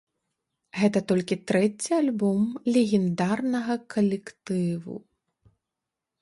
Гэта толькі трэці альбом легендарнага калектыву.